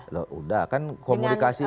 sudah kan komunikasi